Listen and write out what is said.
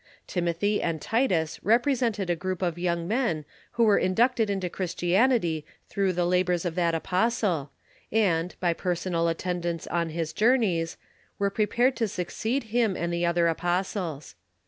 Timothy and Titus represented a group of young men who Avere inducted into Christianity through the labors of that apostle, and, by personal attendance on his journeys, were prepared to succeed him and the other apostles.